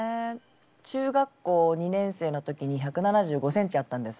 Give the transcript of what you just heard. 中学校２年生の時に１７５センチあったんです。